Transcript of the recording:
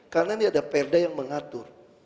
karena ini ada perda yang mengatur